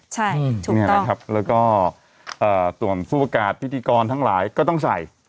ใช่ตรงเด้อนะครับแล้วก็อ่าต่อผมผู้ประกาศพิธีกรทั้งหลายก็ต้องใส่